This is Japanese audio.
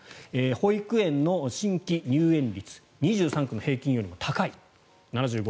保育園の新規入園率２３区の平均よりも高い７５．５％。